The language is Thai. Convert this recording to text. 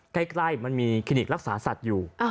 ใกล้มันมีคลินิกรักษาสัตว์อยู่